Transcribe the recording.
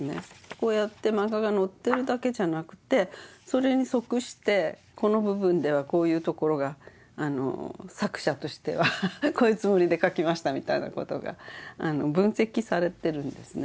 こうやってマンガが載ってるだけじゃなくてそれに即してこの部分ではこういう所が作者としてはこういうつもりで描きましたみたいな事が分析されてるんですね。